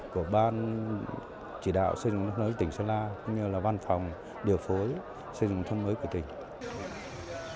của ban chỉ đạo xây dựng nông thôn mới tỉnh sơn la như là văn phòng điều phối xây dựng nông thôn mới của tỉnh